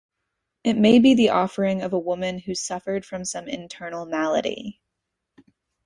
It may be the offering of a woman who suffered from some internal malady.